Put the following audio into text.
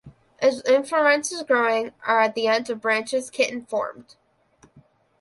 As inflorescences growing are at the ends of branches kitten formed.